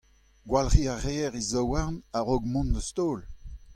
Gwalc'hiñ a reer e zaouarn a-raok mont ouzh taol.